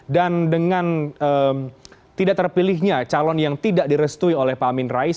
dan dengan tidak terpilihnya calon yang tidak direstui oleh pak amin rais